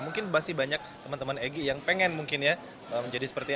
mungkin masih banyak teman teman egy yang pengen mungkin ya menjadi seperti